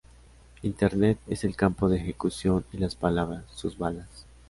Internet es el campo de ejecución y las palabras, sus balas.